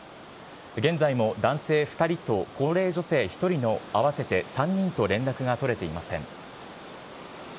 現在も男性２人と高齢女性１人の合わせて３人と連絡が取れていません。